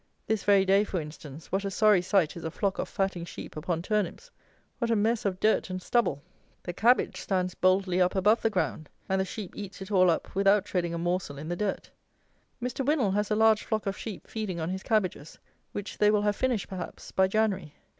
This very day, for instance, what a sorry sight is a flock of fatting sheep upon turnips; what a mess of dirt and stubble! The cabbage stands boldly up above the ground, and the sheep eats it all up without treading a morsel in the dirt. Mr. WINNAL has a large flock of sheep feeding on his cabbages, which they will have finished, perhaps, by January.